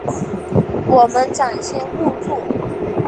我们展现互助